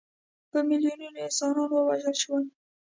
په میلیونونو انسانان ووژل شول.